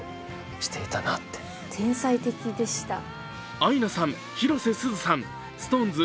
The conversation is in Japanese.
アイナさん、広瀬すずさん、ＳｉｘＴＯＮＥＳ